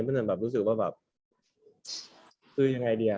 มันจนรู้สึกว่าคือยังไงดี